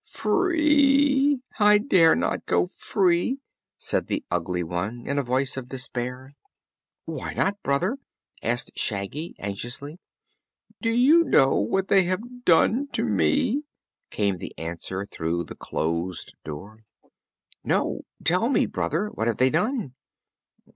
"Free! I dare not go free!" said the Ugly One, in a voice of despair. "Why not, Brother?" asked Shaggy, anxiously. "Do you know what they have done to me?" came the answer through the closed door. "No. Tell me, Brother, what have they done?"